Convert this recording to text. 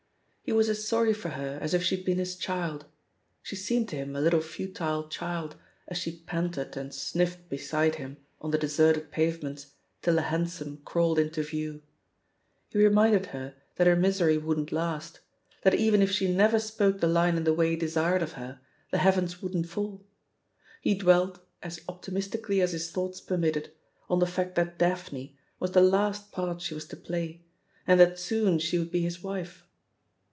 He was as sorry for her as if she had been his child — ^she seemed to him a little futile child, as she panted and sniffed beside him on the deserted pavements till a hansom crawled into view. He reminded her that her misery wouldn't last — ^that even if she never spoke the line in the way desired of her, the heavens wouldn't fall; he dwelt, as optimistically as his thoughts permitted, on the fact that '"Daphne" was the last part she was to play and that soon she would be his wife.